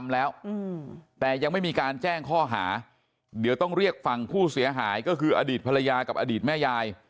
และผู้เสียหายก็คืออดีตภรรยากับอดีตแม่ยาย